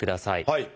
はい。